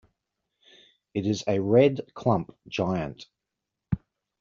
It is a red clump giant.